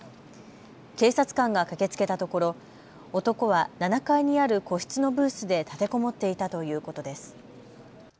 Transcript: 警察官が駆けつけたところ男は７階にある個室のブースで立てこもっていたということです。